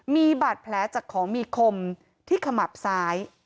มีบาดแผลจากของมีคมที่ขมับซ้าย